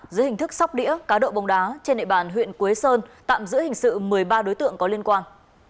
giữa hình thức sóc đĩa cá độ bông đá trên nệ bàn huyện quế sơn tạm giữa hình sự một mươi ba đối tượng có liên quan